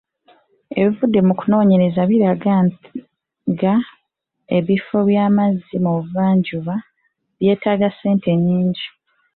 Ebivudde mu kunoonyereza biraga nga ebifo by'amazzi mu buvanjuba byetaaga ssente nnyingi.